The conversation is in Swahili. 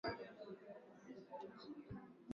hadi milimita elfu moja mia moja kwa mwaka